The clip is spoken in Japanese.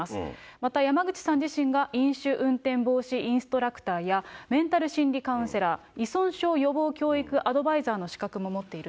また山口さん自身が飲酒運転防止インストラクターや、メンタル心理カウンセラー、依存症予防教育アドバイザーの資格も持っていると。